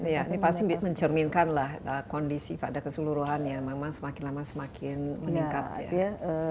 ini pasti mencerminkan lah kondisi pada keseluruhannya memang semakin lama semakin meningkat ya